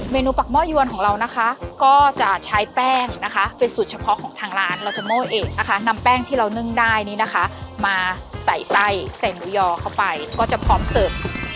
นูปักหม้อยวนของเรานะคะก็จะใช้แป้งนะคะเป็นสูตรเฉพาะของทางร้านเราจะโม้เอกนะคะนำแป้งที่เรานึ่งได้นี่นะคะมาใส่ไส้ใส่หมูยอเข้าไปก็จะพร้อมเสิร์ฟ